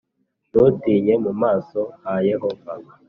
Ntutinye mu maso ha yehova